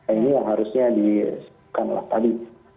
ini yang harusnya di